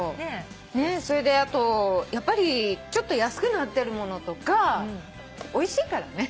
それであとやっぱりちょっと安くなってる物とかおいしいからね。